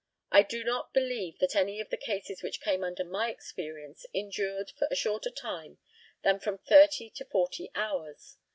I do not believe that any of the cases which came under my experience endured for a shorter time than from thirty to forty hours.